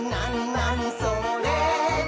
なにそれ？」